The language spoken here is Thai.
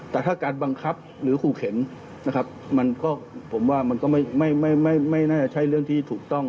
แต่ถ้าการบังคับหรือขู่เข็นผมว่ามันก็ไม่ใช่เรื่องที่ถูกต้อง